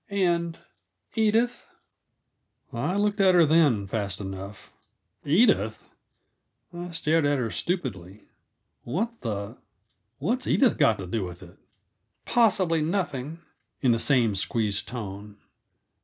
"And Edith?" I looked at her then, fast enough. "Edith?" I stared at her stupidly. "What the what's Edith got to do with it?" "Possibly nothing" in the same squeezed tone.